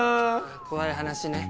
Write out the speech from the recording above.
怖い話ね。